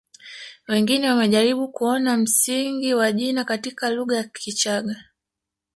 Wengine wamejaribu kuona msingi wa jina katika lugha ya Kichagga